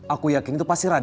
aku yakin itu pasti run